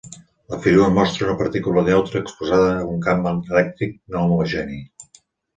La figura mostra una partícula neutra exposada a un camp elèctric no homogeni.